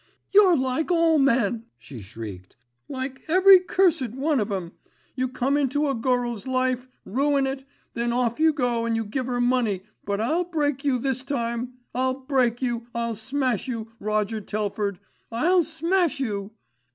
"You're like all men," she shrieked. "Like every cursed one of 'em. You come into a gurl's life, ruin it, then off you go and you give her money; but I'll break you this time, I'll break you, I'll smash you, Roger Telford, I'll smash you.